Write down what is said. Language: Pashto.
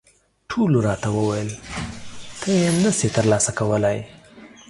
ټولو راته وویل، نه یې شې ترلاسه کولای.